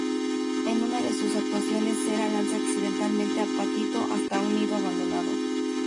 En una de sus actuaciones, Cera lanza accidentalmente a Patito hasta un nido abandonado.